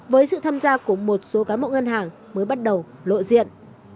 với sự tham gia của một số cán bộ ngân hàng mới bắt đầu lộ diện